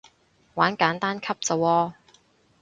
玩簡單級咋喎